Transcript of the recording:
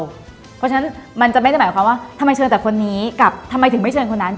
เพราะฉะนั้นมันจะไม่ได้หมายความว่าทำไมเชิญแต่คนนี้กับทำไมถึงไม่เชิญคนนั้น